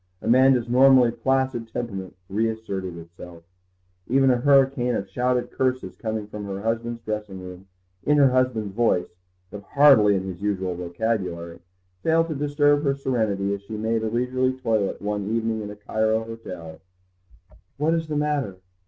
Amanda's normally placid temperament reasserted itself. Even a hurricane of shouted curses, coming from her husband's dressing room, in her husband's voice, but hardly in his usual vocabulary, failed to disturb her serenity as she made a leisurely toilet one evening in a Cairo hotel. "What is the matter?